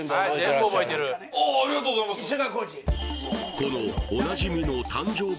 このおなじみの誕生日